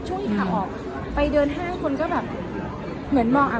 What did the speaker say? ที่ขาออกไปเดินห้างคนก็แบบเหมือนมองอ่ะ